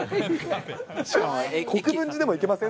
国分寺でも行けません？